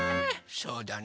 そうだね。